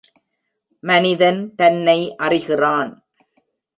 மனிதன் தன்னை அறிகிறான்.